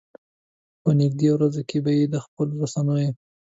په نږدې ورځو کې یې د خپلو رسنيو.